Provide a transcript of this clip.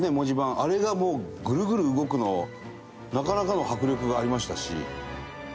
あれがもうグルグル動くのなかなかの迫力がありましたし。